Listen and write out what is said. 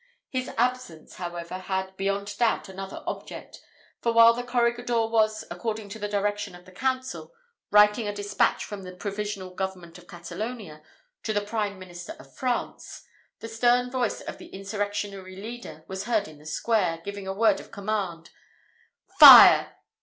His absence, however, had, beyond doubt, another object, for while the corregidor was, according to the direction of the council, writing a despatch from the provisional government of Catalonia, to the prime minister of France, the stern voice of the insurrectionary leader was heard in the square, giving the word of command, "Fire!"